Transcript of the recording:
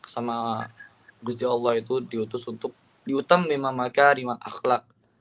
sama bujur allah itu diutus untuk diutam lima maka lima akhlak